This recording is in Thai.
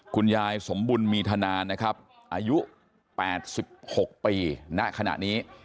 คุณยายสมบุญมีธนานะครับอายุ๘๖ปีณขณะนี้